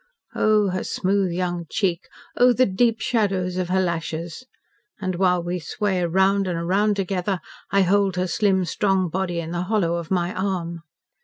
Oh, her smooth young cheek! Oh, the deep shadows of her lashes! And while we sway round and round together, I hold her slim strong body in the hollow of my arm."